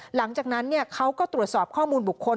หลังจากนั้นเขาก็ตรวจสอบข้อมูลบุคคล